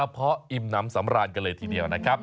เพราะอิ่มน้ำสำราญกันเลยทีเดียวนะครับ